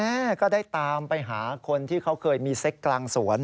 ก็ได้ตามไปหาคนที่เขาเคยมีเซ็กกลางสวน